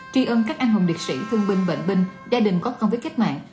truy ân các anh hùng liệt sĩ thương binh bệnh binh gia đình có công việc kết mạng